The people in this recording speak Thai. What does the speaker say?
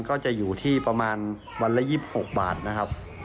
ก็จะอยู่ที่ประมาณวันละ๒๖บาทนะครับ